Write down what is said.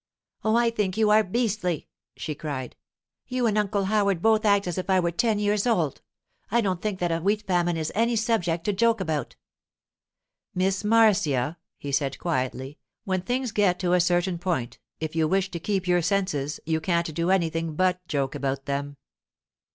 'Oh, I think you are beastly!' she cried. 'You and Uncle Howard both act as if I were ten years old. I don't think that a wheat famine is any subject to joke about.' 'Miss Marcia,' he said quietly, 'when things get to a certain point, if you wish to keep your senses you can't do anything but joke about them.